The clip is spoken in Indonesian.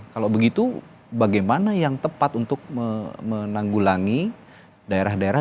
kalau begitu bagaimana yang tepat untuk menanggulangi daerah daerah